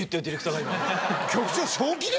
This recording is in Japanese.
局長。